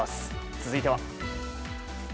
続いては。